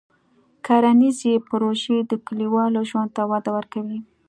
کرنيزې پروژې د کلیوالو ژوند ته وده ورکوي.